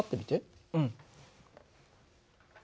うん。